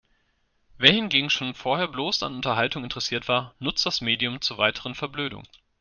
Wer hingegen schon vorher bloß an Unterhaltung interessiert war, nutzt das Medium zur weiteren Verblödung.